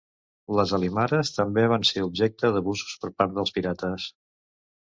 Les alimares també van ser objecte d'abusos per part dels pirates.